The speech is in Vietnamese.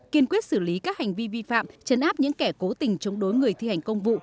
kiên quyết xử lý các hành vi vi phạm chấn áp những kẻ cố tình chống đối người thi hành công vụ